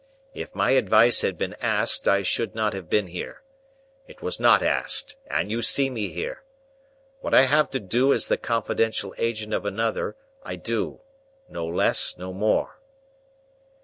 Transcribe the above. If my advice had been asked, I should not have been here. It was not asked, and you see me here. What I have to do as the confidential agent of another, I do. No less, no more."